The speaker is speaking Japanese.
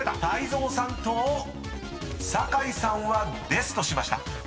泰造さんと酒井さんはデスとしました］